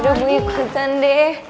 udah gue ikutan deh